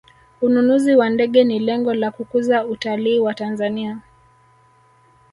ununuzi wa ndege ni lengo la kukuza utalii wa tanzania